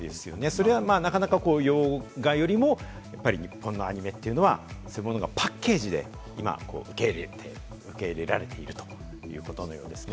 それはなかなか洋画よりも日本のアニメというのは、そういうものがパッケージで今、受け入れるられているということのようですね。